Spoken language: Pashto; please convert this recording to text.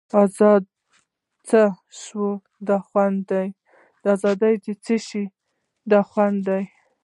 آزادي څه شی ده خوند دی.